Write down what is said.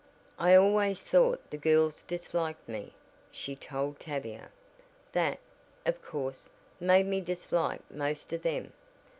"I always thought the girls disliked me," she told Tavia, "that, of course, made me dislike most of them.